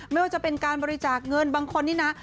ไม่ว่าจะเป็นการบริจาคเงินบางคนนี่นะ